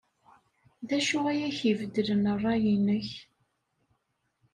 D acu ay ak-ibeddlen ṛṛay-nnek?